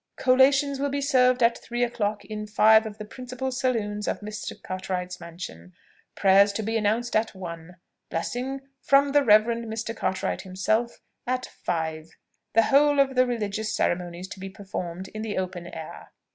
Collations will be served at three o'clock in five of the principal saloons of Mr. Cartwright's mansion. Prayers to be pronounced at one. Blessing (from the Reverend Mr. Cartwright himself) at five. The whole of the religious ceremonies to be performed in the open air.